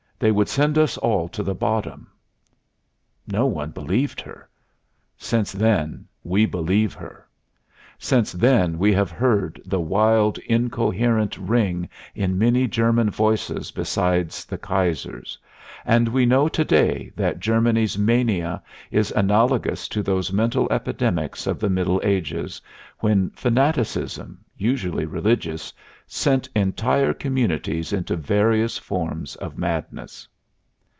They would send us all to the bottom." No one believed her. Since then we believe her. Since then we have heard the wild incoherent ring in many German voices besides the Kaiser's, and we know to day that Germany's mania is analogous to those mental epidemics of the Middle Ages, when fanaticism, usually religious, sent entire communities into various forms of madness.